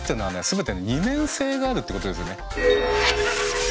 全て二面性があるってことですよね。